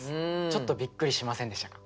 ちょっとびっくりしませんでしたか？